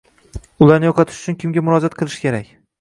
ularni yo’qotish uchun kimga murojaat qilish kerak?